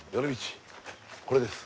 これです